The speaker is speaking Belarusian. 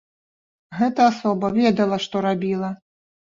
Гэта асоба ведала, што рабіла.